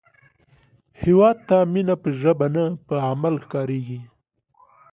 هیواد ته مینه په ژبه نه، په عمل ښکارېږي